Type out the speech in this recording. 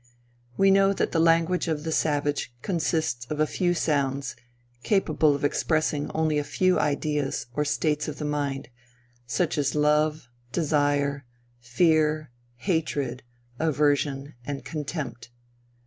We know that the language of the savage consists of a few sounds, capable of expressing only a few ideas or states of the mind, such as love, desire, fear, hatred, aversion and contempt.